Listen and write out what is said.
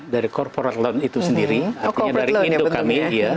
dari corporate loan itu sendiri artinya dari indo kami